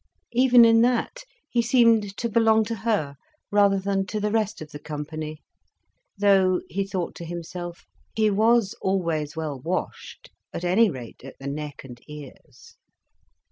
Even in that he seemed to belong to her, rather than to the rest of the company; though, he thought to himself, he was always well washed, at any rate at the neck and ears.